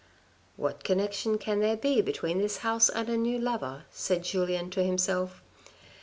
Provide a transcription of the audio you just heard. " What connection can there be between this house and a new lover," said Julien to himself.